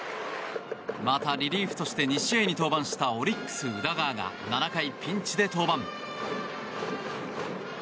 また、リリーフとして２試合に登板したオリックス、宇田川が７回、ピンチで登板。